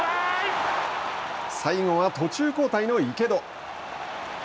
最後は途中交代の池戸。